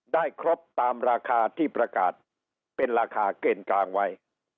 ได้ครบตามราคาที่ประกาศเป็นราคาเกณฑ์กลางไว้